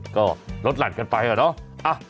ก็ลดหลั่นกันไปอะเนาะ